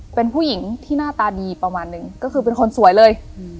เป็นผู้หญิงที่หน้าตาดีประมาณนึงก็คือเป็นคนสวยเลย